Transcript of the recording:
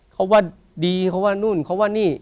เขาว่าดีเขาว่านู่นเขาว่านี่